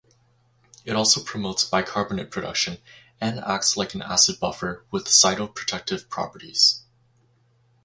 It also promotes bicarbonate production and acts like an acid buffer with cytoprotective properties.